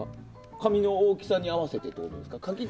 紙の大きさに合わせてってことですか？